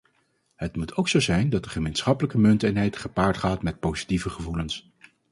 Het moet ook zo zijn dat de gemeenschappelijke munteenheid gepaard gaat met positieve gevoelens.